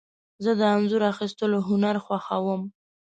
زه د انځور اخیستلو هنر خوښوم.